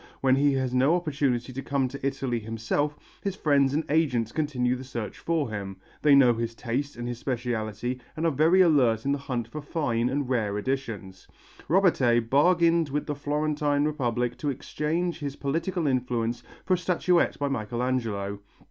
When he has no opportunity to come to Italy himself, his friends and agents continue the search for him; they know his taste and his speciality and are very alert in the hunt for fine and rare editions. Robertet bargained with the Florentine Republic to exchange his political influence for a statuette by Michelangelo.